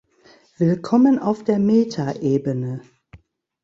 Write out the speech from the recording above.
Willkommen auf der Metaebene.